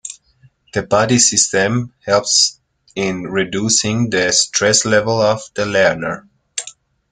The buddy system helps in reducing the stress level of the learner.